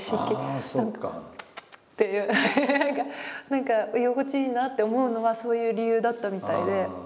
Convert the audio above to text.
何か居心地いいなって思うのはそういう理由だったみたいで。